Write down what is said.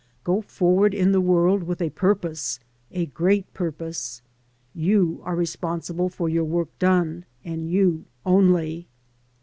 Go forward in the world with a purpose, a great purpose. You are responsible for your work done, and you only.